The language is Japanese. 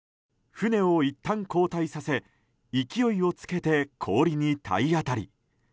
船をいったん後退させ勢いをつけて氷に体当たり。